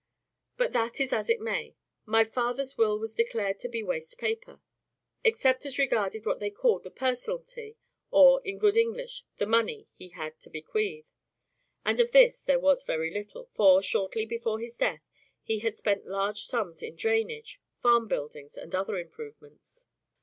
Be that as it may, my father's will was declared to be waste paper, except as regarded what they called the personalty, or, in good English, the money he had to bequeath. And of this there was very little, for, shortly before his death, he had spent large sums in drainage, farm buildings, and other improvements.